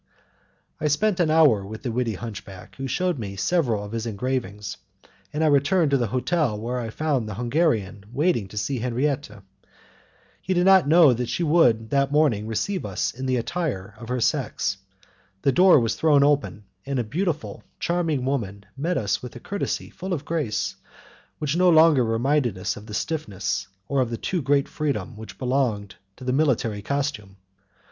I spent an hour with the witty hunchback, who shewed me several of his engravings, and I returned to the hotel where I found the Hungarian waiting to see Henriette. He did not know that she would that morning receive us in the attire of her sex. The door was thrown open, and a beautiful, charming woman met us with a courtesy full of grace, which no longer reminded us of the stiffness or of the too great freedom which belong to the military costume.